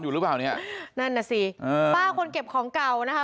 หรือเปล่าเนี่ยนั่นน่ะสิเออป้าคนเก็บของเก่านะคะ